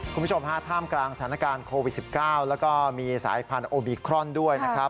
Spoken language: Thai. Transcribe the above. คุณผู้ชมฮะท่ามกลางสถานการณ์โควิด๑๙แล้วก็มีสายพันธุ์โอมิครอนด้วยนะครับ